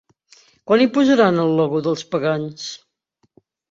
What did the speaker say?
¿Quan hi posaran el logo dels pagans?